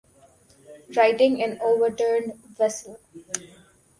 Righting an overturned vessel.